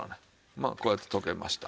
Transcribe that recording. まあこうやって溶けました。